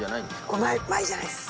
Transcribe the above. これマイじゃないです。